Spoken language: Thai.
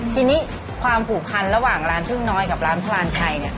ทีนี้ความผูกพันระหว่างร้านพึ่งน้อยกับร้านพลานชัย